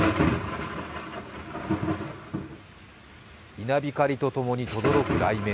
稲光とともにとどろく雷鳴